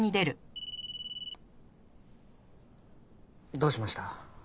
どうしました？